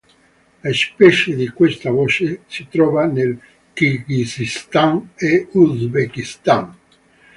La specie di questa voce si trova nel Kirghizistan e Uzbekistan.